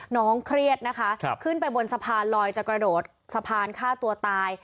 น้องเครียดนะคะขึ้นไปบนสะพานลอยจะกระโดดสะพานฆ่าตัวตาย